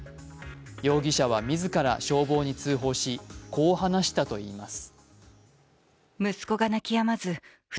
容疑者は自ら消防に通報しこう話したといいます。